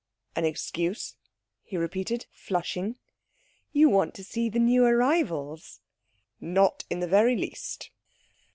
"An excuse?" he repeated, flushing. "You want to see the new arrivals." "Not in the very least."